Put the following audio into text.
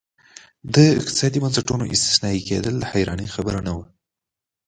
د اقتصادي بنسټونو استثنایي کېدل د حیرانۍ خبره نه وه.